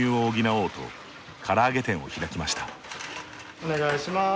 お願いします。